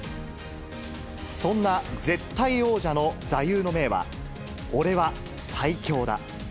そんな絶対王者の座右の銘は、オレは最強だ！